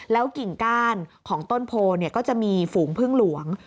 กิ่งก้านของต้นโพก็จะมีฝูงพึ่งหลวง